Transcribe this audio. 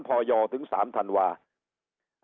พอยถึง๓ธันวาคม